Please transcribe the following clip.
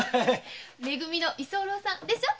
め組の居候さんでしょ？